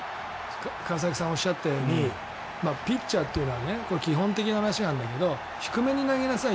川崎さんがおっしゃったようにピッチャーというのは基本的な話なんだけど低めに投げなさい